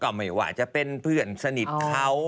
ไม่ว่าจะเป็นเพื่อนสนิทเขา